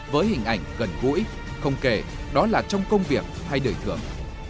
với hình ảnh gần gũi không kể đó là trong công việc hay đời thường